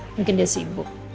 mungkin dia sibuk